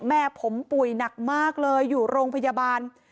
แม่ผมป่วยหนักมากเลยอยู่โรงพยาบาล